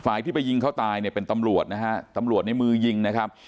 ที่ไปยิงเขาตายเนี่ยเป็นตำรวจนะฮะตำรวจในมือยิงนะครับ